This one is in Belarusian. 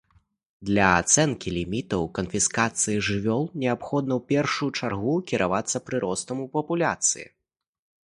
Для ацэнкі лімітаў канфіскацыі жывёл неабходна ў першую чаргу кіравацца прыростам у папуляцыі.